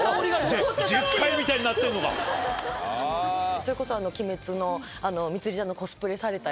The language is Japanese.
それこそ『鬼滅』の蜜璃さんのコスプレされたり。